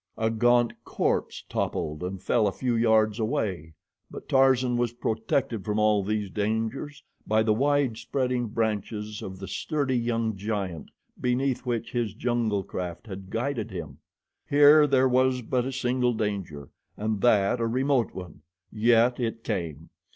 A gaunt corpse toppled and fell a few yards away; but Tarzan was protected from all these dangers by the wide spreading branches of the sturdy young giant beneath which his jungle craft had guided him. Here there was but a single danger, and that a remote one. Yet it came.